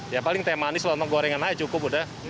ya paling teh manis loh sama gorengan aja cukup udah